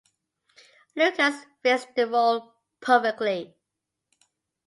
Lukas fits the role perfectly.